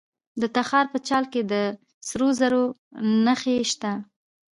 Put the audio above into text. د تخار په چال کې د سرو زرو نښې شته.